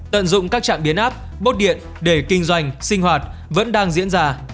tận dụng các trạm biến áp bốt điện để kinh doanh sinh hoạt vẫn đang diễn ra